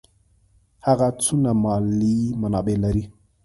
هغه څونه مالي منابع لري.